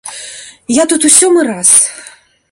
Я тут у сёмы раз.